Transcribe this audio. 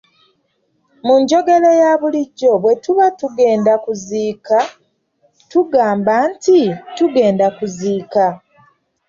Mu njogera eya bulijjo bwe tuba tugenda okuziika tugamba nti tugenda kuziika.